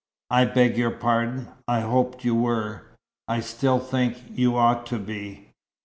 "I beg your pardon. I hoped you were. I still think you ought to be."